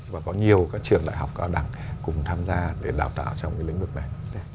và có nhiều các trường đại học cao đẳng cùng tham gia để đào tạo trong cái lĩnh vực này